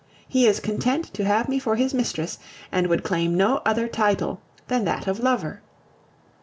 He is content to have me for his mistress, and would claim no other title than that of lover.